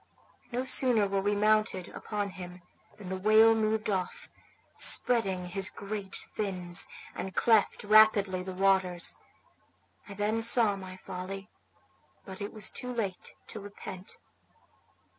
No sooner were we mounted upon him than the whale moved off, spreading his great fins, and cleft rapidly the waters. I then saw my folly, but it was too late to repent.